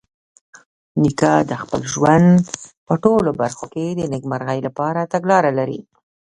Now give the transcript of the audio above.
نیکه د خپل ژوند په ټولو برخو کې د نیکمرغۍ لپاره تګلاره لري.